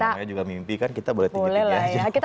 karena namanya juga mimpi kan kita boleh tinggi tinggi aja